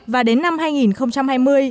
và đến năm hai nghìn hai mươi